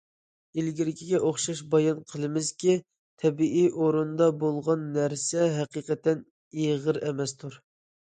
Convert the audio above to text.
ئىلگىرىكىگە ئوخشاش بايان قىلىمىزكى، تەبىئىي ئورنىدا بولغان نەرسە ھەقىقەتەن ئېغىر ئەمەستۇر.